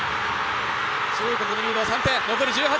中国リード、３点。